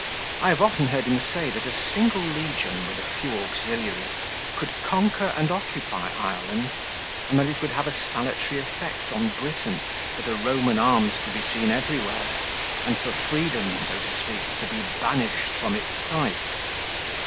I have often heard him say that a single legion with a few auxiliaries could conquer and occupy Ireland, and that it would have a salutary effect on Britain for the Roman arms to be seen everywhere, and for freedom, so to speak, to be banished from its sight.